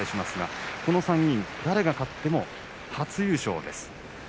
この３人誰が勝っても初優勝です。